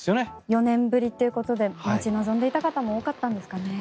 ４年ぶりということで待ち望んでいた方も多かったんですかね。